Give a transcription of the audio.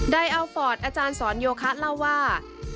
อัลฟอร์ดอาจารย์สอนโยคะเล่าว่า